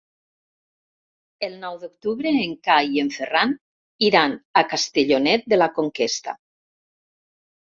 El nou d'octubre en Cai i en Ferran iran a Castellonet de la Conquesta.